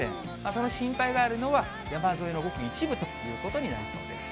その心配があるのは、山沿いのごく一部ということになりそうです。